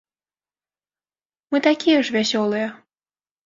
Мы такія ж вясёлыя.